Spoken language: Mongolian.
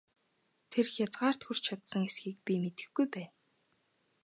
Тэр хязгаарт хүрч чадсан эсэхийг би мэдэхгүй байна!